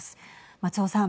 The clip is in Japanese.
松尾さん。